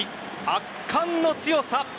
圧巻の強さ。